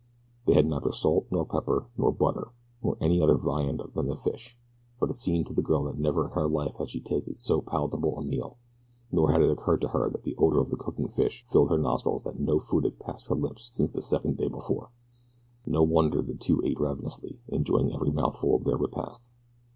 They had neither salt, nor pepper, nor butter, nor any other viand than the fish, but it seemed to the girl that never in her life had she tasted so palatable a meal, nor had it occurred to her until the odor of the cooking fish filled her nostrils that no food had passed her lips since the second day before no wonder that the two ate ravenously, enjoying every mouthful of their repast.